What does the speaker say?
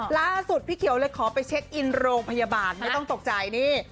พี่เขียวเลยขอไปเช็คอินโรงพยาบาลไม่ต้องตกใจนี่